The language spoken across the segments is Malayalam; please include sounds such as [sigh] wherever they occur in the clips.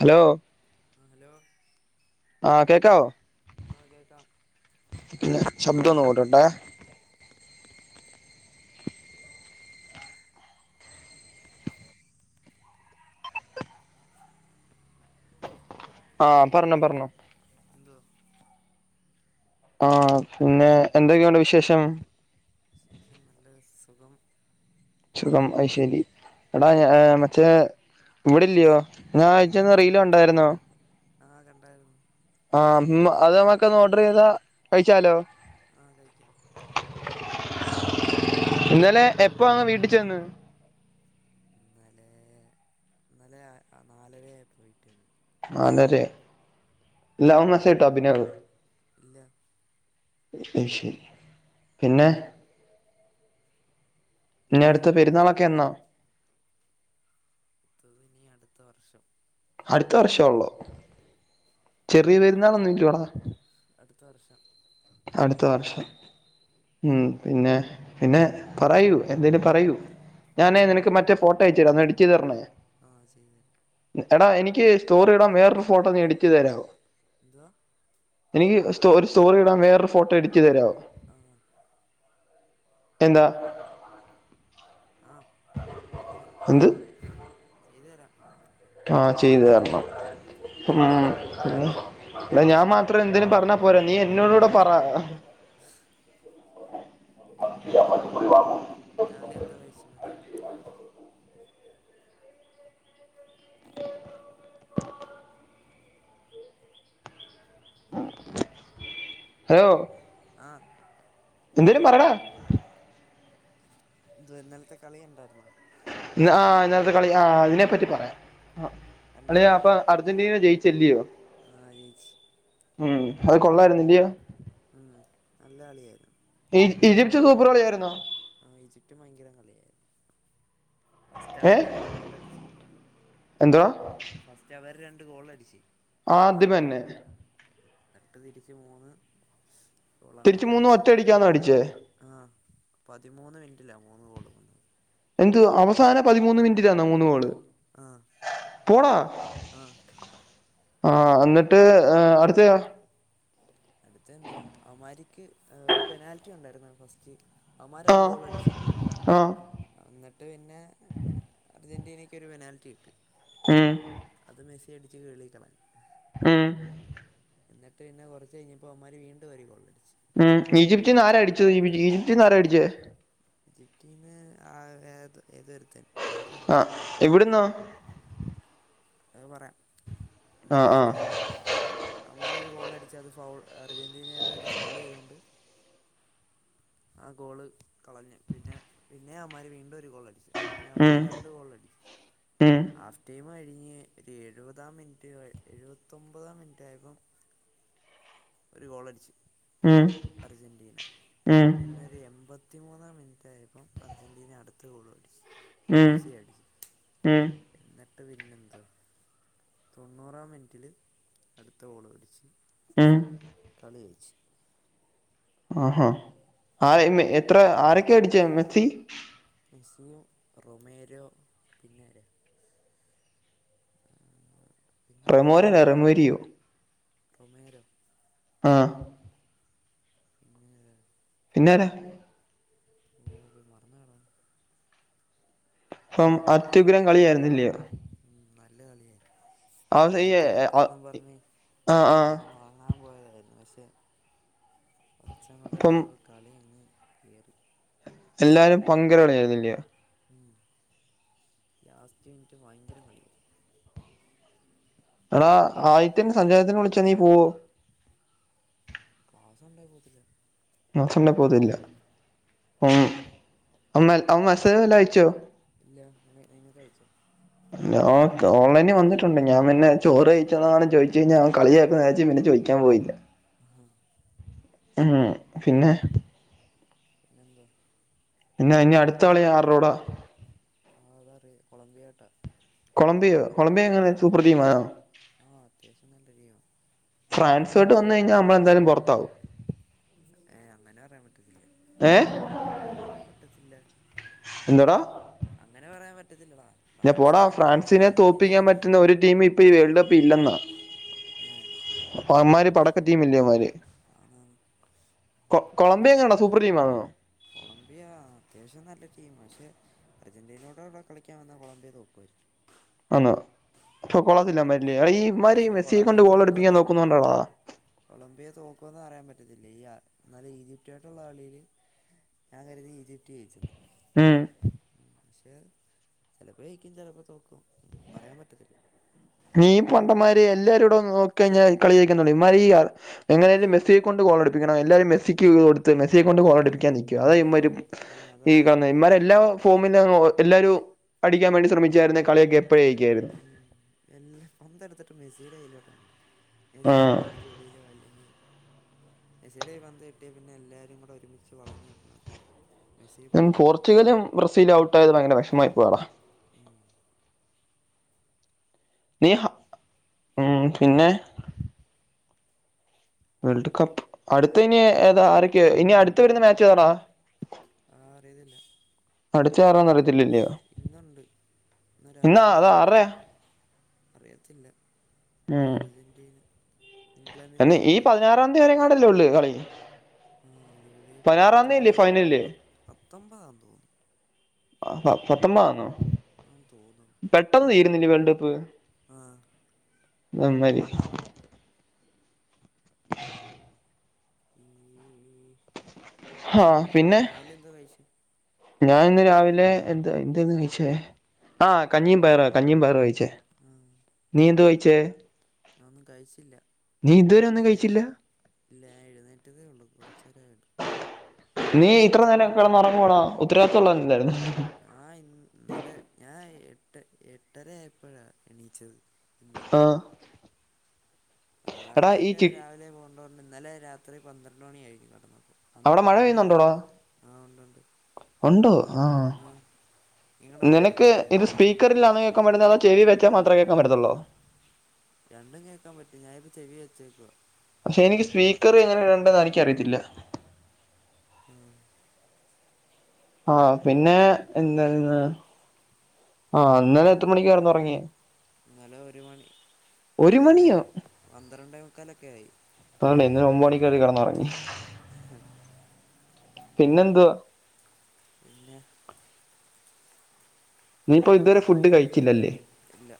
ഹലോ ആ ഹലോ ആ കേക്കാവോ ആ കേൾക്കാം പിന്നെ ശബ്ദം ഒന്നു കൂട്ടട്ടെ ആ പറഞ്ഞോ പറഞ്ഞോ എന്തു ആ പിന്നെ എന്തൊക്കെയുണ്ട് വിശേഷം വിശേഷം നല്ല സുഖം സുഖം അയ്ശെരി എടാ മറ്റേ ഇവിടല്ലയോ ഞാൻ എവിടെ അയചന്ന റീല് കണ്ടായിരുന്നോ ആ കണ്ടായിരുന്നു ആ അത് നമ്മക്ക് ഒന്ന് ഓർഡർ ചെയ്താ കഴിച്ചാലോ ആ കഴിക്കാം ഇന്നലെ എപ്പോ അങ് വീട്ടിൽ ചെന്ന് ഇന്നലെ ഇന്നലെ നാലരയായപോ വീട്ടി വന്നു നാലരെ ല്ല അവൻ മെസ്സേജ് ഇട്ടോ അഭിനവ ഇല്ല അയ്ശരി പിന്നെ ഇനി പിന്നെ അടുത്ത പെരുന്നാളൊക്കെ എന്നാ അത് ഇനി അടുത്ത വർഷം അടുത്ത വർഷേഒള്ളോ ചെറിയ ഉം പെരുന്നാളൊന്നുല്യോടാ അടുത്ത വർഷം അടുത്ത വർഷം, ഉം പിന്നെ പിന്നെ പറയൂ എന്തേലും പറയൂ, ഞാനേ നിനക്ക് മറ്റേ ഫോട്ടോ അയച്ചു തരാ അന്നൊ എടിറ്റെയ്തു തർണേ ആഹ്‌ അത് ചെയ്തു തര എടാ എനിക്ക് സ്റ്റോറി ഇടാൻ വേറൊരു ഫോട്ടോ നീഎഡിറ്റ് ചെയ്ത് തരാവൊ എന്തുവാ എനിക്ക് ഒ സ്റ്റോ ഒരു സ്റ്റോറി ഇടാൻ വേറൊരു ഫോട്ടോ എഡിറ്റ് ചെയ്ത് തരാവൊ ആഹ് എന്താ ആഹ്‌ എങ്ങനെ എന്ത് ചെയ്തു തരാം ആഹ്‌ ചെയ്തു തരണം ഉം എട ഞാൻ മാത്രം എന്തേലും പർഞ്ഞാ പോരാ നീ എന്നോടൂടെ പറ എന്ത് പറയാൻ രാവിലെ എന്തോ കഴിച്ച് മോനെ ഹലോ ആഹ് എന്തേലും പറടാ എന്തുവാ ഇന്നൽത്തെ കളി കണ്ടായിരുന്നോ ആഹ്‌ ഇന്നൽത്തെ കളി ആ അതിനെ പറ്റി പറയാം അഹ് അളിയാ അപ്പൊ കണ്ടില്ലല്ലോ അർജന്റീന ജയിച്ചില്ലയോ ആ ജയിച്ച് ഉം അത് കൊള്ളായിരുന്ന്ല്ലയോ ഉം നല്ല കളിയായിരുന്നു ഈജ് ഈജിപ്റ്റ് സൂപ്പർ കളിയായിരുന്നോ ആഹ്‌ ഈജിപ്റ്റും ഭയങ്കര കളിയായിരുന്നു ഏ ഫസ്റ്റവര് രണ്ട് ഗോളടിച്ച്. എന്തുവാ ഫസ്റ്റവര് രണ്ട് ഗോളടിച്ച് ആദ്യമെന്നെ തട്ട് തിരിച്ച് മൂന്ന് തിരിച്ച് മൂന്ന് ഗോളങ്ങോട്ടടിച്ച് ഒറ്റ അടിക്കാന്നോ അടിച്ചേ ആഹ് പതിമൂന്ന് മിൻറ്റിലാ മൂന്ന് ഗോളും വന്നത് എന്തു അവ സാന പതിമൂന്ന് മിൻറ്റിലാന്നോ മൂന്ന് ഗോള് ആഹ് പോടാ ആഹ് ആഹ് എന്നിട്ട് ഏഹ് അട്ത്തെയാ അട്ത്തെ എന്തുവാ അവന്മാരിക്ക് ഒര് പെനാൽറ്റി ഉണ്ടായിരുന്നു ആഹ് ഫസ്റ്റ് അവന്മാര് ആ ഒര് ഗോളടിച്ച് ആ ആഹ് ഇന്നെട്ട് പിന്നെ അർജന്റീനെക്കൊര് പെനാൽറ്റി കിട്ടി ഏഹ് അത് മെസ്സി അടിച്ച് വെളിക്കളഞ് ആഹ് എന്നിട്ട് പിന്നെ കൊറച്ച് കഴിഞ്ഞപ്പോ അവമ്മാര് വീണ്ടും ഒര് ഗോളടിച്ച് ഉം ഈജിപ്ത്‌ന്ന് ആരാ അടിച്ചെത്? ഈബിജി ഈജിപ്തിന്ന് ആരാ അട്ച്ചെ? ജിപ്റ്റീന്ന് ആഹ് ഏത് ഏതൊര്ത്തെൻ ആഹ് എവ്ട്ന്നാ? അഹ് പറയാം, ആ ന്നെട്ട് ആ പിന്നെ അവമ്മാരൊരു ഗോളടിച്ചാ അത് ഫൗൾ അർജന്റീനയോട്വര് ഫൗൾ ചെയ്തോണ്ട് ആ ഗോള് കളഞ്ഞ്, പിന്നെ പിന്നേം അവന്മാര് വീണ്ടും ഒര് ഗോളട്ച്ച് അങ്ങനെ അവന്മാര് രണ്ട് ഗോൾ അടി ഏഹ് ആഫ് ടൈമ് കഴിഞ്ഞ് ഒര് എഴുവതാം മിൻറ്റ് എഴുവത്തൊൻമ്പതാം മിൻറ്റ് ആയപ്പം ഒര് ഗോളട്ച്ച് ഉം അർജന്റീന, ഉം പിൻ ന്നൊര് എമ്പത്തിമൂന്നാം മിൻറ്റ് ആയപ്പം അർജന്റീന അട്ത്ത ഗോളും അട്ച്ച് ഉം ഉം എന്നിട്ട് പിന്നെ എന്തുവാ? തൊണ്ണൂറാം മിൻറ്റിൽ അട്ത്ത ഗോളും അട്ച്ച് എഹ് കളി എയിച്ച് ആഹ് ഹാ ആരെ ഇന്ന് എത്ര ആരൊക്കെ അട്‌ച്ചെ മെസ്സി മെസ്സിയും റൊമേരോ പിന്നെ ആരാ പിന്നെ റെമോര ആരായിരുന്നു അല്ല റെമോരിയോ റൊമേരോ ആഹ് പിന്നെ ആരാ? പിന്നെ ആരാ? ഓ ഇപ്പേ മറന്ന് കളാ അപ്പം അത്യുഗ്രം കളിയായിരുന്നില്ലയോ ഉം നല്ല കളിയായിര്ന്നു അവസ ഈ ഞാൻ തോക്കു എന്നും പറഞ്ഞ് ആഹ് ആഹ് കടന്ന് ഒ ങ്ങാൻ പോയതായിര്ന്നു പക്ഷേ കൊറച്ച് അങ്ങോട്ട് അപ്പം കഴിഞ്ഞപ്പോ കളി അങ്ങ് കേറി എല്ലാരും പങ്കരാ കളിയായിരുന്നില്ലയോ? ഉം ലാസ്റ്റ് മിൻറ്റ് ഭയങ്കരം കളിയായിരുന്നു എടാ ആദിത്യന് സഞ്ചയനത്തിന് വിളിച്ചാ നീ പോവോ? ക്ലാസ് ഒണ്ടെ പോകത്തില്ല ക്ലാസ് ഉണ്ടെ പോകത്തില്ല അപ്പം അവൻ അവൻ മേസെജ് വല്ലോം അയച്ചോ? ഇല്ലാ അന അനക്ക് അയച്ചോ? ഓ ക്ക് ഓൺലൈനിൽ വന്നിട്ടുണ്ട് ഞാ പിന്നെ ചോറ് കഴിച്ചെടാന്ന് ചോദിച്ച് കഴിഞ്ഞാ അവെന് കളിയ്ക്കുംന്ന് വിചാരിച്ച് പിന്നെ ചോ ക്കാൻ പോയി ഇല്ല ഹും ഉം പിന്നെ പിന്നെന്ത? പിന്നെ ഇനി അടുത്ത കളി ആരടകൂട ആതറയാം കൊളംബിയാട്ട കൊളംബിയോ കൊളംബിയോ എങ്ങനെ സൂപ്പർ ടീമാണോ? ആ അത്യാവശ്യം നല്ല ടീമാണ് ഫ്രൻസോയ്ട്ട് വന്ന് കഴിഞ്ഞാ നമ്മളെന്താലും പുറത്താവും. ഏ അങ്ങനെ പറയാൻ പറ്റത്തില്ല. ഏ? അങ്ങനെ പറയാൻ പറ്റത്തില്ല. എന്തടാ? അങ്ങനെ പറയാൻ പറ്റത്തില്ലടാ ഇല്ല ഫ്രാൻസ് പോടാ നല്ല കളി ഫ്രാൻസിനെ അർജന്റീന തോൽപ്പിക്കാൻ നല്ല പറ്റുന്ന കളി ഒരു ടീം ഇപ്പൊ ഈ വേൾഡ് കപ്പിൽ ഇല്ലെന്നാ ഏ ന്മാര് പടക്ക ടീം ഇല്ലോമാര് ആണ് കൊ കൊളംബിയ എങ്ങാണ്ട സൂപ്പർ ടീം ആണോ? കൊളമ്പിയ അത്യാവശ്യം നല്ല ടീമാ പക്ഷെ അർജന്റീനോടെടെ കളിക്കൻ വന്ന കൊളംബിയോ തോക്കുമായിരിക്കും. ആണോ അപ്പൊ കൊള്ളത്തില്ലമാരില്ലേ ആ ഈമാരി പക്ഷെ മെസ്സിയെ കൊണ്ട് ഗോളടുപ്പിക്കാൻ നോക്കുന്നുണ്ടോടാ. കൊളംബിയെ തോക്കുവന്ന് പറയാൻ പറ്റത്തില്ല ഈ ഇന്നലെ ഈജിപ്റ്റ ആയിട്ടുള്ള കളിയില്. ഞാൻ കരുതി ഈജിപ്റ്റ് ജയിച്ചന്നു. ഉം പക്ഷെ ചിലപ്പോ ജയിക്കും ചിലപ്പോ തോക്കും പറയാൻ പറ്റത്തില്ല. നീ പണ്ടമാര് എല്ലാരുട നോക്കി കഴിഞ്ഞാൽ കളി ജയിക്കനുള്ള ഇമ്മാര് ഈ എങ്ങനൊലും മെസിയെ കൊണ്ട് ഗോളടുപ്പണം എല്ലാവര മെസ്സിക്ക്ത് കൊട്ത്ത് മെസിയെ കൊണ്ട് ഗോളടിപ്പിക്കൻൽക്കും അതാ ഇമാര ആ ഈ അതാ കന്ന ഇമാരെ എല്ലാ ഫോമിൽ എല്ലാവരും അടിക്കാൻ വേണ്ടി ശ്രമിച്ചായിരുന്ന കളിയൊക്കെ എപ്പോഴ ജയിക്കയിരുന്നു. എല്ലാ പന്തടുത്തിട്ട് മെസ്സിയുടെ കയ്യിലോട്ട ആഹ് മെസ്സിയല്ലപ്പോ അടിച്ച വെളിയിലോ അല്ലെങ്കി മെസിയിടെ കയ്യിൽ പന്ത് കിട്ടിയ പിന്നെ എല്ലാവരും കൂടെ ഒരുമിച്ച് വളഞ്നിന്നിട്ട് പോർച്ചുഗലും ബ്രസീലും ഔട്ട് ആയത് ഭയങ്കര വിഷമായി പോയടാ ഉം നീ ഹ മ് പിന്നെ പിന്നെ വേൾഡ് കപ്പ് അടുത്ത ഇനി ഏതാ ആരൊക്കെയ ഇനി അടുത്ത വരുന്ന മാച്ച് ഏതാടാ? ആഹ് അറിയതില്ല. അടുത്ത ആരാന്ന് അറിയത്തില്ലല്ലയോ ഇന്നുണ്ട് ഇന്ന് ഇന്നാ അത് രാത്രിയുണ്ട്. ആറരയാ അറിയത്തില്ല അർജന്റീന ഇംഗ്ലണ്ടിൻ്റെ എന്ന ഈ അല്ലായിരിക്കും പതിനാറാംന്തി വരെങ്ങാടല്ലേള്ളു കളി? ആഹ് ജൂലൈ പതിനാറാം തീയതി അല്ലേ പത്തൊമ്പതാ തോന്ന് ഫൈനല് പത്തൊമ്പതാ തോന്നുന്നു. ആ പത്തൊമ്പന്നോ? ആന്ന് തോന്നു പെട്ടെന്ന് തീരുന്നില്ലേ വേൾഡ് കപ്പ്‌? ആഹ് അഹ് മാര് [unintelligible] ആഹ് പിന്നെന്താ പിന്നെ രാവിലെ എന്താ കഴിച്ചു ഞാൻ ഇന്ന് രാവിലെ എന്താ എന്തന്ന് കഴിച്ചേ ആ കഞ്ഞിം പയറ കഞ്ഞിം പയറാ കഴി ച്ചേ ആ നീ എന്താ കഴിച്ചേ? ഒന്നും കഴിച്ചില്ല നീ ഇതുവരെ ഒന്നും ഞാൻ എഴുന്ന കഴിച്ചില്ല ഇല്ല ഞാൻ എഴുന്നേറ്റതേ ഉള്ളൂ കുറച്ച് നേരേആയുള്ളൂ. നീ ഇത്ര നേരം കിടന്നുറങ്ങുവാണാ ഉത്തരവാദിത്തം ഉള്ളോനല്ലായിര്ന്നോ ഞാൻ ഇന്ന് ഇന്നലെ ഞാൻ എട്ട് എട്ടരായപ്പോഴാ എണീച്ചത് ഇന്ന്. ആഹ് സാധാരണയൊക്കെ രാവിലെ പോണ്ടോണ്ട് ഇന്നലെ രാത്രി പന്ത്രണ്ട് മണിയായി കടന്നപ്പോ അവിടെ മഴ ഒരു മണി പെയ്യുന്നുണ്ടോടാ ആഹ് ഉണ്ട് ഉണ്ട് ഉണ്ടോ ആ ആഹ് നിങ്ങടെ അവടെ നിനക്ക് പെയ്തൊ ഇത് സ്പീക്കറിലാന്ന് കേൾക്കാൻപറ്റുന്നേ അതോ ചെവി വെച്ചാ മാത്രേ കേൾക്കാ പറ്റത്തള്ളോ രണ്ടും കേൾക്കാൻ പറ്റും ഞാനിത് ചെവി വെച്ചേക്കാ പക്ഷേ എനിക്ക് സ്പീക്കറ് എങ്ങനെ ഇടണ്ടേന്ന് എനിക്കറിയത്തില്ല ഉം ആഹ് പിന്നെ എന്തൊന്നാ ആഹ് ഇന്നലെ എത്ര മണിക്കാ കിടന്നുറങ്ങിയേ ഇന്നലെ ഒരു മണി ഒരു പന്ത്രണ്ടേ മണിയോ പന്ത്രണ്ടേ മുക്കാലൊക്കെ ആയി [unintelligible] ഇന്നലെ ഒമ്പത് മണിക്കെറ്റ കിടന്നുറങ്ങി ഉം പിന്നെന്തുവാ പിന്നെ നീയിപ്പോ ഇതുവരെ ഫുഡ് കഴിച്ചില്ലല്ലേ ഇല്ല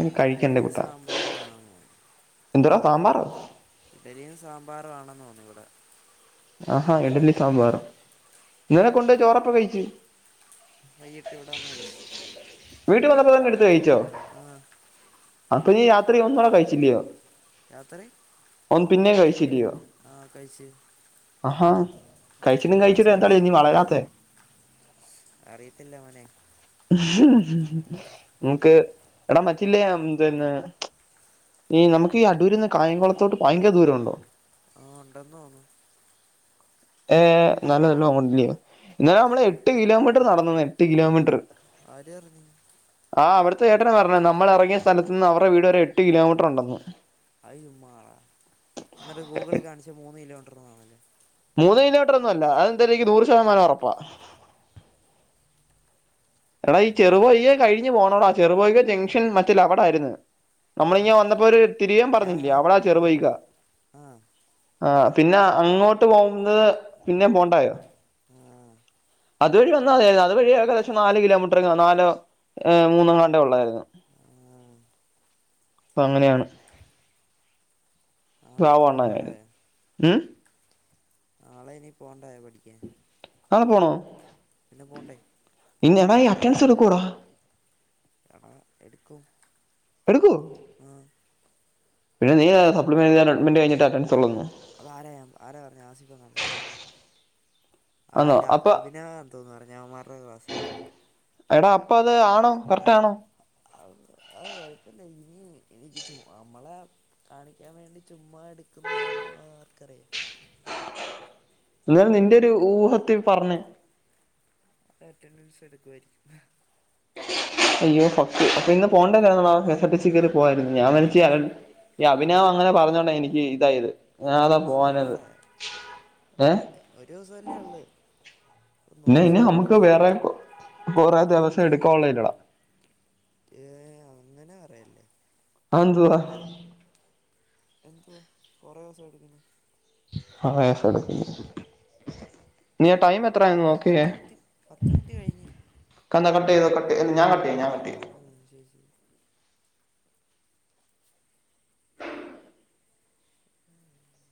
ഇനി കഴിക്കണ്ടേ ഇഡലിം കുട്ടാ സാമ്പാറും ആണെന്ന് തൊന്നുനു എന്തോടാ സാമ്പാറോ ഇഡലിയും സാമ്പാറും ആണെന്ന് തോന്നുന്നു ഇവിടെ ആഹാ ഇഡലി സാമ്പാറും ഇന്നലെ കൊണ്ട്പോയ ചോറെപ്പം കഴിച്ചു വൈകിട്ട് ഇവിടെ വന്ന് കഴിച്ച് വീട്ട് വന്നപ്പോ തന്നെ എടുത്ത് കയിച്ചോ ആഹ് അപ്പൊ നീ രാത്രി ഒന്നൂടെ കഴിച്ചില്ലയോ രാത്രി ഒന്ന് പിന്നെം കയിച്ചില്ലയോ ആഹ് കയ്ച്ച് ആഹാ കഴിച്ചിട്ടും കഴിച്ചിട്ടും എന്താടാ കഴിച്ചു നീ വളരാത്തെ അറിയത്തില്ല മോനെ നമക്ക് എടാ പറ്റില്ല എന്തന്നെ ഈ നമക്ക് ഈ അടൂരിന്ന് കായംകുളത്തോട്ട് ഭയങ്കര ദൂരമുണ്ടോ ആഹ് ഉണ്ടെന്ന് തോന്നുന്നു ഏർ നല്ല നല്ല മോണ്ടില്ലോ ഇന്നലെ നമ്മള് എട്ട് കിലോമീറ്റർ നടന്ന് എട്ട് കിലോമീറ്റർ ആര് പറഞ്ഞു ആഹ് ഇവടുത്തെ ചേട്ടനൻ പറഞ്ഞ് നമ്മൾ ഇറങ്ങിയ സ്ഥലത്ത് നിന്ന് അവരെ വീട് വരെ എട്ട് കിലോമീറ്റർ ഉണ്ടന്ന് അഅ് ചുമ്മാതാ എന്നിട്ടരു ഗൂഗിളി കാണിച്ച് മൂന്ന് കിലോമീറ്റർ ആണല്ലോ മൂന്ന് കിലോമീറ്റർ ഒന്നുമല്ല അത് എന്തായാലും നിക്ക് നൂറ് ശതമാനം ഉറപ്പാ എടാ ഈ പിന്നെ ചെറുവയികെ കഴിഞ്ഞു പോണോടാ ചെറുപൊക ജംഗ്ഷൻ മറ്റല്ല അവിടെ ആരിന്ന് എവിടെ നമ്മളിങ്ങെ വന്നപ്പോര് തിരിയാൻ ഞാൻ പറഞ്ഞില്ലേ അവടാ ആ ആ ചെറുപോയികാ ആ ആഹ് പിന്നെ അങ്ങോട്ട് പോകുന്നത് പിന്നേ പോണ്ടായോ ആഹ് അതുവഴി വന്ന അതായിരുന്നു അതുവഴി ഏകദേശം നാല് കിലോമീറ്റർ നാലോ ഏഹ് മൂന്നാം ണ്ട ഉള്ളതായിരുന്നു അപ്പൊ അങ്ങനെയാണ് നാളെ പാവം ഇനി അണ്ണൻ പോകണ്ടേ ഉം നാളെ ഇനി പോവണ്ടായോ പഠിക്കാൻ നാളെ പോണോ പിന്നെ പോകണ്ടേ ഇന്നെടാ ഈ അറ്റൻസ് എടുകൂടാ എടാ എടുക്കും എടുക്കോ ആ പിന്നെ നീ സപ്ലി മാനേജർ അഡ്മെന്റ് കഴിഞ്ഞിട്ട് അറ്റൻസ് ഉള്ളൂന്ന് അത് ആരാ ആരാ പറഞ്ഞു ആസിഫ് ങ്ങണ്ടായിരുന്നു ആഹ് ആന്നോ അല്ല അപ്പൊ അഭിനേവം എ തോന്നു പറഞ്ഞു അവൻമാരുടെ ക്ലാസ്സില് എടാ അപ്പ അത് ആണോ കറക്റ്റ് ആണോ അത് അത് കുഴപ്പമില്ല ഇനി എനിക്ക് നമ്മളെ കാണിക്കാൻ വേണ്ടി ചുമ്മാ എടുക്കുന്നതാണോ ആർക്കറിയാം എന്നാൽ നിന്റെ ഒരു ഊഹത്തിൽ പർഞ്ഞെ അറ്റൻഡൻസ് എടുക്കുവായിരിക്കും അയ്യോ ഫ അപ്പോ ഇന്ന് പോണ്ട കാര്യങ്ങള K S R T C കേറി പോവാരുന്നു ഞാൻ ഒരു വനിച്ച് ഈ അഭിനവ് ഒരു അങ്ങനെ പറഞ്ഞോണ്ട എനിക്ക് ഇതായത് ഞാ ഒരു അതാ പോവാഞ്ഞത് ഏഹ് ഒരുസല്ലേള്ളൂ പിന്നെ നൂറ് ഇനി നമുക്ക് ശതമാനത്തീന്ന് വേറെ തൊ കൊറേ ദിവസം തൊണ്ണൂറ്റി ഒന്ന് എടുക്കാനുള്ളല്ലേടാ ഏഹ് അങ്ങനെ പറയല്ലേ ആന്തൂറാ എന്ത്‌വാ കൊറെസം എടുക്കുന്നു ആഹ് സടുക്ക നീ ആഹ് ടൈം എത്രായായെന്ന് ഞാൻ നോക്ക്യേ പത്ത് മിനിറ്റ് പത്ത് മിനിറ്റ് കഴിഞ്ഞ് കന്ന കട്ടൈതോ കട്ടൈതോ ല്ല ഞാ കട്ടയ്യ ഞാകട്ടെയ്യ ആഹ് ശെരി ശെരി ഉം